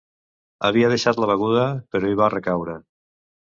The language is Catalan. Havia deixat la beguda, però hi va recaure.